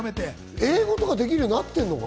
英語とかできるようになってるのかな？